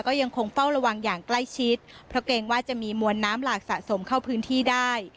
ก็ยังคงเฝ้าระวังอย่างใกล้ชิดเพราะเกรงว่าจะมีมวลน้ำหลากสะสมเข้าพื้นที่ได้